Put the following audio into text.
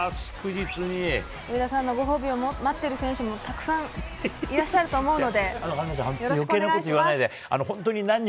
上田さんのご褒美を待っている選手もたくさんいらっしゃると思います。